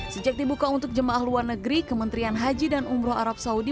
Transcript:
sejak dibuka untuk jemaah luar negeri kementerian haji dan umroh arab saudi